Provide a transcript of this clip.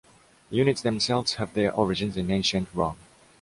The units themselves have their origins in ancient Rome.